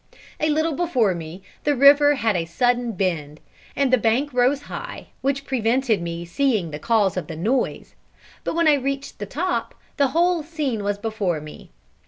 A little before me the river had a sudden bend, and the bank rose high, which prevented me seeing the cause of the noise; but when I reached the top, the whole scene was before me.